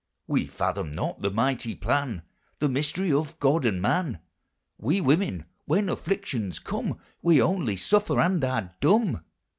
We fathom not the mighty plan, The mystery of God and man; We women, when afflictions come, We only suffer and are dumb.